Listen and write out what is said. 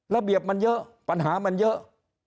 ระเบียบมันเยอะปัญหามันเยอะ